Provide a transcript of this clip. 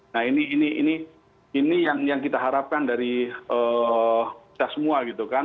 nah ini ini ini ini yang kita harapkan dari kita semua gitu kan